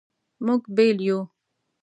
مونږ بیل یو